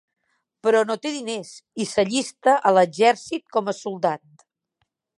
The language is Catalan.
Però no té diners i s'allista a l'exèrcit com a soldat.